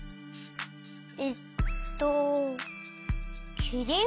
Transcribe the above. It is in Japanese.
えっときりん？